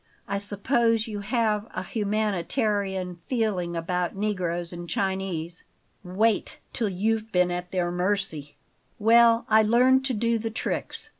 I suppose you have a humanitarian feeling about negroes and Chinese. Wait till you've been at their mercy! "Well, I learned to do the tricks.